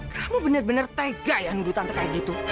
kamu bener bener tega ya nunggu tante kayak gitu